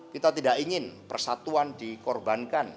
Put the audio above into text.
kita tidak ingin persatuan dikorbankan